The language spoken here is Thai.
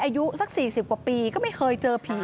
อายุสัก๔๐กว่าปีก็ไม่เคยเจอผี